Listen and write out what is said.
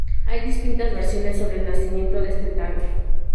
Hay distintas versiones sobre el nacimiento de este tango.